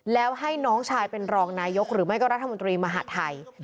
แล้วให้น้องชายเป็นรองนายกหรือไม่ก็รัฐมนตรีมหาดไทย